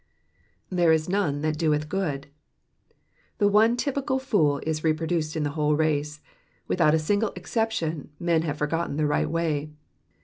^^ There is none that dotth good,^"* The one typical fool is reproduced in the whole race ; without a single exception men have forgotten the right way.